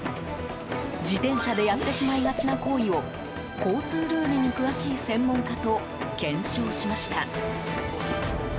自転車でやってしまいがちな行為を交通ルールに詳しい専門家と検証しました。